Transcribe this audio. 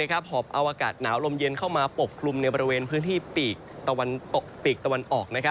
หอบเอาอากาศหนาวลมเย็นเข้ามาปกคลุมในบริเวณพื้นที่ปีกปีกตะวันออก